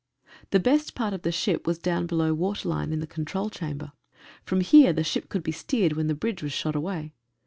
The best part of the ship was down below waterline in the control chamber. From here the ship could be steered when the bridge was shot away.